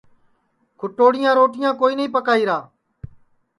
کُھٹوڑیاں روٹیاں کوئی نائی پکائیرا